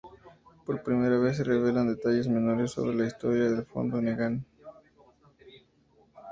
Por primera vez, se revelan detalles menores sobre la historia de fondo de Negan.